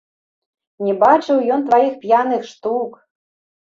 Не бачыў ён тваіх п'яных штук!